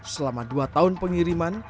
selama dua tahun pengiriman